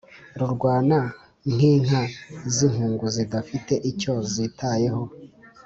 rurwana nk’inka z’inkungu zidafite icyo zitayeho